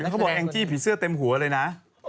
พี่มีแบบแองจี้ผิดเสื้อเต็มหัวเลยนะ